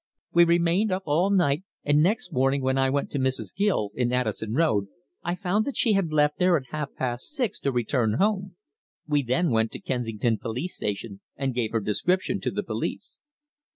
We remained up all night, and next morning when I went to Mrs. Gill, in Addison Road, I found that she had left there at half past six to return home. We then went to Kensington Police Station, and gave her description to the police."